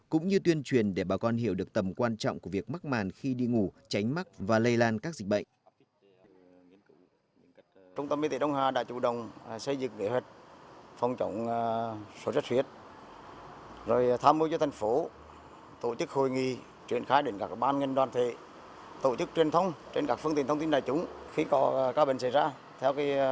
cũng như tuyên truyền để bà con hiểu được tầm quan trọng của việc mắc màn khi đi ngủ tránh mắc và lây lan các dịch bệnh